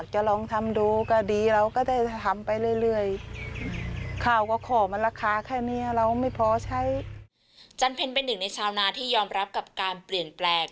จันเพ็ญเป็นหนึ่งในชาวนาที่ยอมรับกับการเปลี่ยนแปลก